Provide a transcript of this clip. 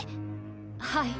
はい。